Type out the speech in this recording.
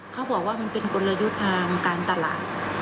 เขาบอกว่ามันเป็นกลยุทธ์ทางการตลาด